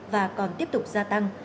và còn tiếp tục gia tăng